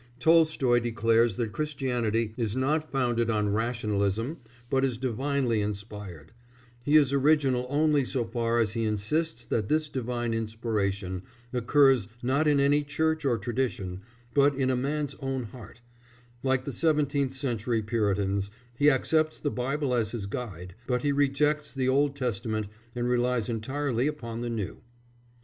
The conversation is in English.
Tolstoy declares that Christianity is not founded on rationalism but is divinely inspired; he is original only so far as he insists that this divine inspiration occurs not in any Church or tradition, but in a man's own heart; like the seventeenth century Puritans, he accepts the Bible as his guide, but he rejects the Old Testament and relies entirely upon the New.